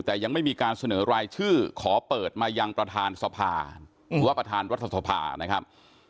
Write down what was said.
แต่ยังไม่มีการเสนอรายชื่อขอว่าเปิดอย่างประธานรัฐสภานะครับ